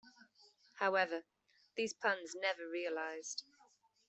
However, these plans never realized.